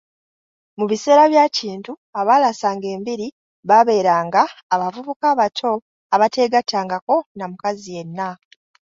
Mu biseera bya Kintu, abaalasanga embiri baabeeranga abavubuka abato abateegattangako na mukazi yenna.